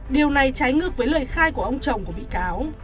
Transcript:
điều này trái ngược với lời khai của ông chồng của bị cáo